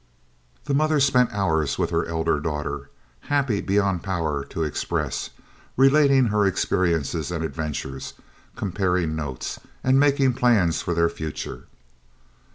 The mother spent hours with her elder daughter, happy beyond power to express, relating her experiences and adventures, comparing notes and making plans for their future.